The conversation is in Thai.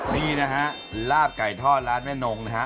นี่นะฮะลาบไก่ทอดร้านแม่นงนะฮะ